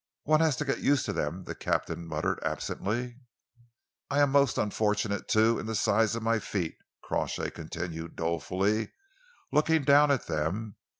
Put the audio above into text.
"One has to get used to them," the captain murmured absently. "I am most unfortunate, too, in the size of my feet," Crawshay continued dolefully, looking down at them.